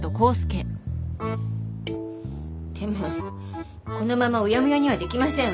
でもこのままうやむやにはできません。